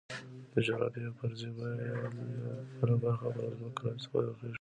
د جغرافیوي فرضیې بله برخه پر ځمکو راڅرخي.